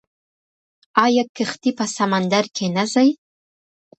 آیا کښتۍ په سمندر کې نه ځي؟